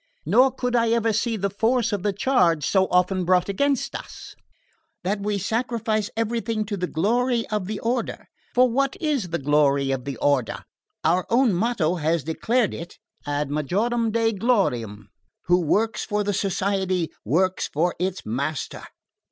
Nor could I ever see the force of the charge so often brought against us: that we sacrifice everything to the glory of the order. For what is the glory of the order? Our own motto has declared it: Ad majorem Dei gloriam who works for the Society works for its Master.